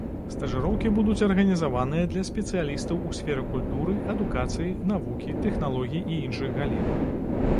Стажыроўкі будуць арганізаваныя для спецыялістаў у сферы культуры, адукацыі, навукі, тэхналогій і іншых галін.